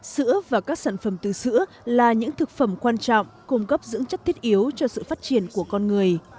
sữa và các sản phẩm từ sữa là những thực phẩm quan trọng cung cấp dưỡng chất thiết yếu cho sự phát triển của con người